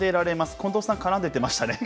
近藤さん、奏でてましたね。